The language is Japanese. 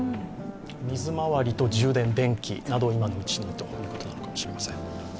水回りと充電、電気、今のうちにということかもしれません。